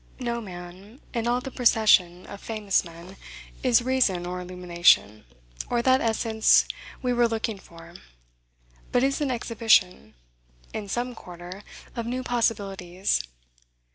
No man, in all the procession of famous men, is reason or illumination, or that essence we were looking for; but is an exhibition, in some quarter, of new possibilities.